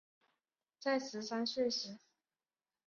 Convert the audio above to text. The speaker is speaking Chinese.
在十三岁时